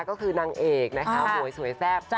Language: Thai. ก็คือนางเอกนะคะหวยสวยแซ่บ